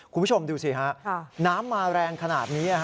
คุณผู้ชมดูสิฮะน้ำมาแรงขนาดนี้